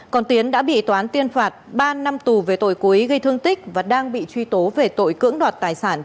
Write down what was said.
còn tiến đã bị tòa án tiên phạt ba năm tù về tội cố ý gây thương tích và đang bị truy tố về tội cưỡng đoạt tài sản